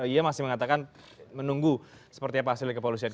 ia masih mengatakan menunggu seperti apa hasilnya kepolisian